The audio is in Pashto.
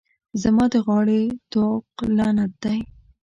زما د غاړې طوق لعنت دی.